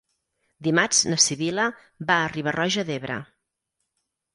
Dimarts na Sibil·la va a Riba-roja d'Ebre.